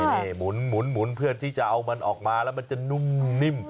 นี่หมุนเพื่อที่จะเอามันออกมาแล้วมันจะนุ่มนิ่ม